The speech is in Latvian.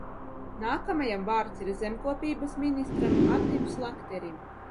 Nākamajam vārds ir zemkopības ministram Atim Slakterim.